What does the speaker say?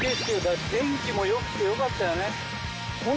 天気もよくてよかったよね。